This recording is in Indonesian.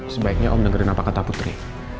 sebaiknya om dengerin apa kata putri